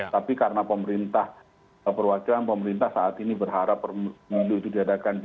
tapi karena pemerintah perwakilan pemerintah saat ini berharap pemilu itu diadakan di